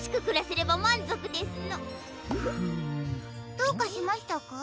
どうかしましたか？